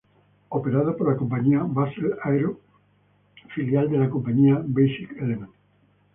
Es operado por la compañía "Basel Aero", filial de la compañía Basic Element.